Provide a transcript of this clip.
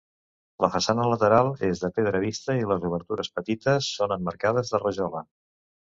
La façana lateral és de pedra vista i les obertures, petites, són emmarcades de rajola.